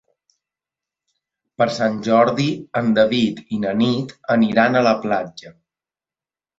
Per Sant Jordi en David i na Nit aniran a la platja.